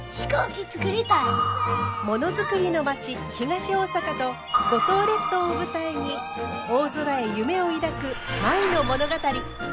ものづくりの町東大阪と五島列島を舞台に大空へ夢を抱く舞の物語。